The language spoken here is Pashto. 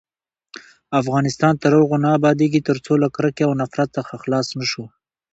افغانستان تر هغو نه ابادیږي، ترڅو له کرکې او نفرت څخه خلاص نشو.